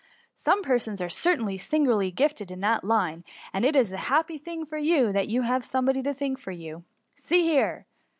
some persons are certain ly singularly gifted in that line, and it is a happy thing for you that you have somebody to think for you. See here